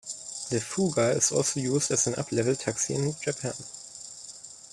The Fuga is also used as an uplevel taxi in Japan.